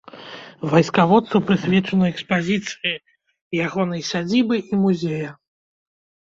Вайскаводцу прысвечаны экспазіцыі ягонай сядзібы і музея.